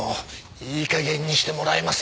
いい加減にしてもらえませんか？